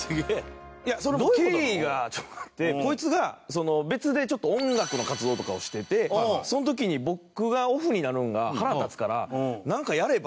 いやそれも経緯があってこいつが別でちょっと音楽の活動とかをしててその時に僕がオフになるんが腹立つからなんかやれば？